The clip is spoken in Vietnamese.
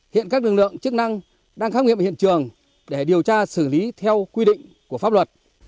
hiện các lực lượng chức năng đang khám nghiệm hiện trường để điều tra xử lý theo quy định của pháp luật